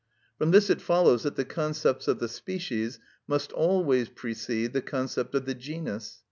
From this it follows that the concepts of the species must always precede the concept of the genus.